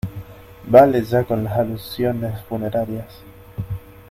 vale ya con las alusiones funerarias.